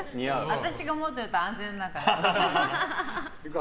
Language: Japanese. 私が持っていると安全だから。